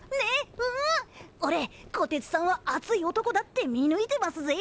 おれこてつさんは熱い男だって見抜いてますぜ。